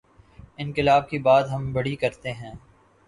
انقلا ب کی بات ہم بڑی کرتے ہیں۔